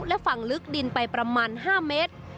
และฝั่งลึกดินไปประมาณ๕เมตร